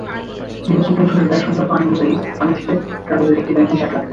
নির্বাচন কমিশনের ব্যয়সংক্রান্ত আইন অনুযায়ী আমেথিতে রাহুলের একটি ব্যাংক হিসাব লাগবে।